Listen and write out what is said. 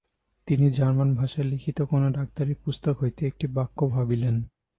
তিনি জার্মান ভাষায় লিখিত কোন ডাক্তারি পুস্তক হইতে একটি বাক্য ভাবিলেন।